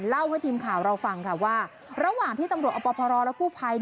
เล่าให้ทีมข่าวเราฟังค่ะว่าระหว่างที่ตำรวจอปพรและกู้ภัย